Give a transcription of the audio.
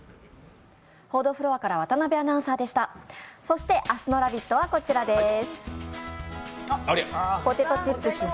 そして明日の「ラヴィット！」はこちらです。